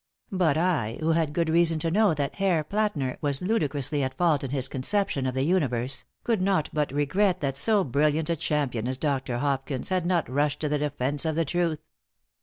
But I, who had good reason to know that Herr Plätner was ludicrously at fault in his conception of the universe, could not but regret that so brilliant a champion as Dr. Hopkins had not rushed to the defense of the truth.